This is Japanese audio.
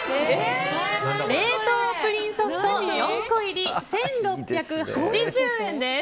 冷凍プリンソフト４個入り、１６８０円です。